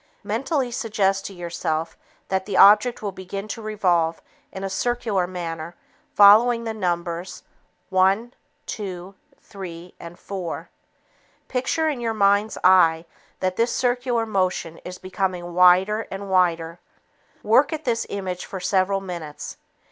Mentally suggest to yourself that the object will begin to revolve in a circular manner following the numbers 1, 2, 3, and 4. Picture in your mind's eye that this circular motion is becoming wider and wider. Work at this image for several minutes.